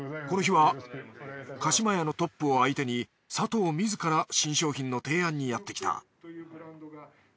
この日は加島屋のトップを相手に佐藤自ら新商品の提案にやってきた。